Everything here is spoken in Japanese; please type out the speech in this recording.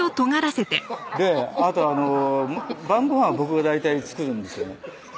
あと晩ごはんを僕が大体作るんですよね